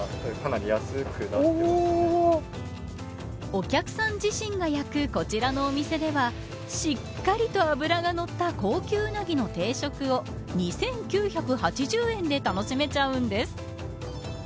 お客さん自身が焼くこちらのお店ではしっかりと脂がのった高級ウナギの定食を２９８０円で楽しめちゃうんです。